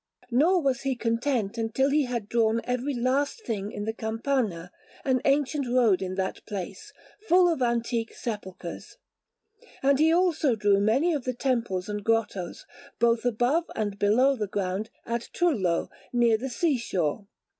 Nor was he content until he had drawn every least thing in the Campana, an ancient road in that place, full of antique sepulchres; and he also drew many of the temples and grottoes, both above and below the ground, at Trullo, near the seashore.